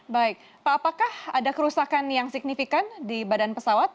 baik pak apakah ada kerusakan yang signifikan di badan pesawat